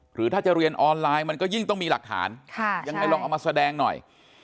หรือถ้าจะเรียนออนไลน์มันก็ยิ่งต้องมีหลักฐานยังไงลองเอามาแสดงหน่อย